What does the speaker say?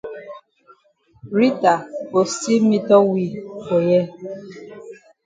Rita go still meetup we for here.